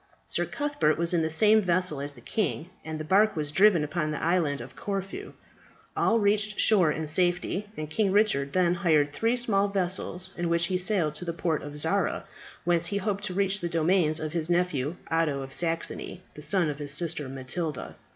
Sir Cuthbert was in the same vessel as the king, and the bark was driven upon the Island of Corfu. All reached shore in safety, and King Richard then hired three small vessels, in which he sailed to the port of Zara, whence he hoped to reach the domains of his nephew, Otho of Saxony, the son of his sister Matilda.